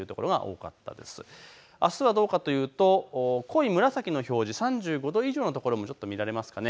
あすはどうかというと濃い紫の表示、３５度以上のところもちょっと見られます。